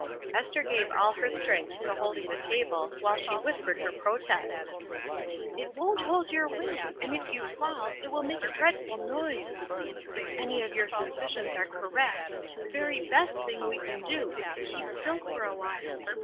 Esther gave all her strength to holding the table while she whispered her protest. '^t won't hold your weight, and if you fall, it will make a dreadful noise ! If any of your suspicions are correct, the very best thing we can do is to keep still for a while.